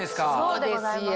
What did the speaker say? そうですよ。